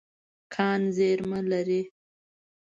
کان زیرمه لري.